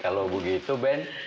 kalau begitu ben